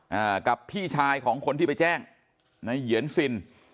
อ่ากับพี่ชายของคนที่ไปแจ้งในเหยียนซิน